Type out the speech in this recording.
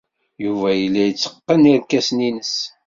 Yuba yella yetteqqen irkasen-nnes.